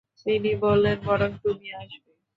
তিনি বললেন, বরং তুমি বসবে।